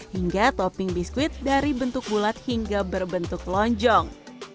hingga topping biskuit dari bentuk bulat hingga berbentuk lonjong